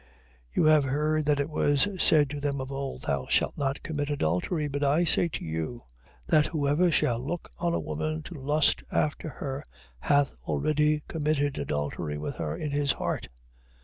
5:27. You have heard that it was said to them of old: Thou shalt not commit adultery. 5:28. But I say to you, that whosoever shall look on a woman to lust after her, hath already committed adultery with her in his heart.